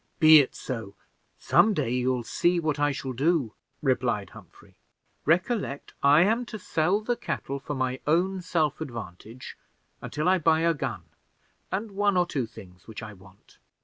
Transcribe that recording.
"Be it so. Some day you'll see what I shall do," replied Humphrey. "Recollect, I am to sell the cattle for my own self advantage until I buy a gun, and one or two things which I want."